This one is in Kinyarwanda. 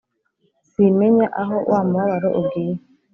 simenya aho wa mubabaro ugiye!”